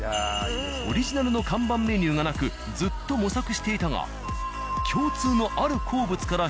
オリジナルの看板メニューがなくずっと模索していたが共通のある好物からヒントを得る。